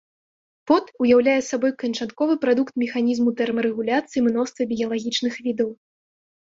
Пот уяўляе сабой канчатковы прадукт механізму тэрмарэгуляцыі мноства біялагічных відаў.